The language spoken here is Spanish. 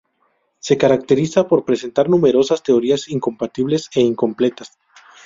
Se caracteriza por presentar numerosas teorías incompatibles e incompletas.